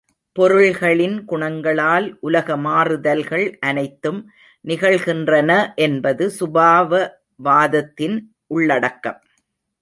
பொருள்களின் குணங்களால் உலக மாறுதல்கள் அனைத்தும் நிகழ்கின்றன என்பது சுபாவவாதத்தின் உள்ளடக்கம்.